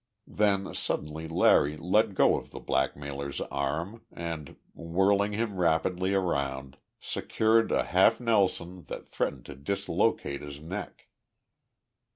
Then suddenly Larry let go of the blackmailer's arm and, whirling him rapidly around, secured a half nelson that threatened to dislocate his neck.